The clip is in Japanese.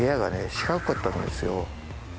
四角かったんですよ。